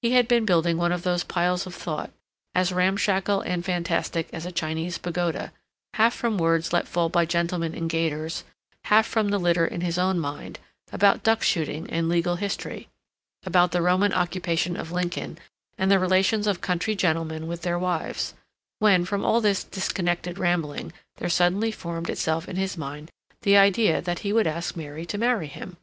He had been building one of those piles of thought, as ramshackle and fantastic as a Chinese pagoda, half from words let fall by gentlemen in gaiters, half from the litter in his own mind, about duck shooting and legal history, about the Roman occupation of Lincoln and the relations of country gentlemen with their wives, when, from all this disconnected rambling, there suddenly formed itself in his mind the idea that he would ask Mary to marry him.